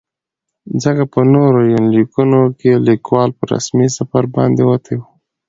ځکه په نورو يونليکونو کې ليکوال په رسمي سفر باندې وتى و.